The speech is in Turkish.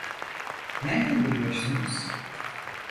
Nerden biliyorsunuz?